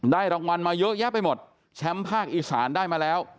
รางวัลมาเยอะแยะไปหมดแชมป์ภาคอีสานได้มาแล้ว